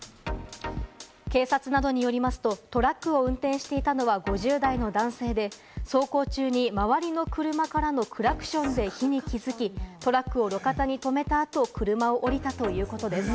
警察などによりますと、トラックを運転していたのは５０代の男性で、走行中に周りの車からのクラクションで火に気付き、トラックを路肩に止めた後、車を降りたということです。